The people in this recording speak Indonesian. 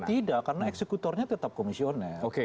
tidak karena eksekutornya tetap komisioner